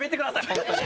本当に。